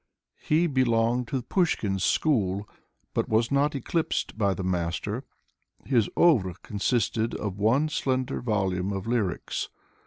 He belonged to Pushkin's school, but was not eclipsed by the master. His auvre consists of one slender volume of lyrics.